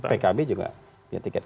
pkb juga punya tiket